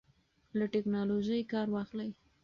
له ټیکنالوژۍ کار واخلئ.